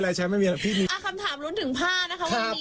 อะไรใช่ไม่มีอะไรพี่นี้อ่าคำถามลุ้นถึงผ้านะคะวันนี้